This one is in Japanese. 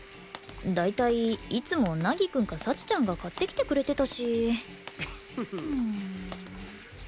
大体いつも凪くんか幸ちゃんが買ってきてくれてたし